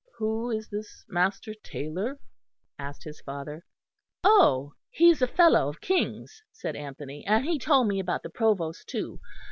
"Who is this Master Taylor?" asked his father. "Oh! he is a Fellow of King's," said Anthony, "and he told me about the Provost too.